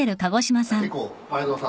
結構。